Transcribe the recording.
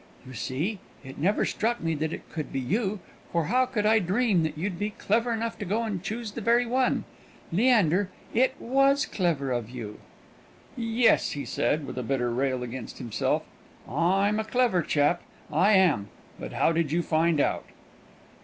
You see, it never struck me that it could be you; for how could I dream that you'd be clever enough to go and choose the very one? Leander, it was clever of you!" "Yes," he said, with a bitter rail against himself. "I'm a clever chap, I am! But how did you find out?"